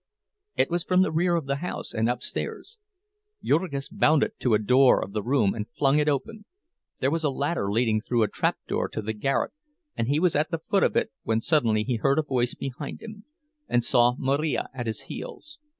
It was from the rear of the house, and upstairs. Jurgis bounded to a door of the room and flung it open; there was a ladder leading through a trap door to the garret, and he was at the foot of it when suddenly he heard a voice behind him, and saw Marija at his heels.